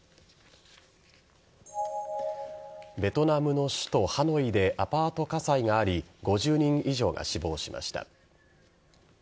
ベトナムの首都・ハノイでアパート火災があり５０人以上が死亡しました。